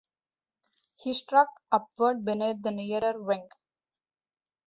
He struck upward beneath the nearer wing.